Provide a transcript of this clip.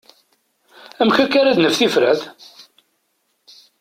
Amek akka ara d-naf tifrat?